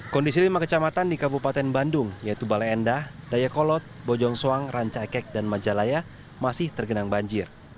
kondisi lima kecamatan di kabupaten bandung yaitu bale endah dayakolot bojongsoang rancaikek dan majalaya masih tergenang banjir